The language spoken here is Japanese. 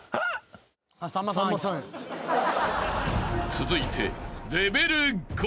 ［続いて］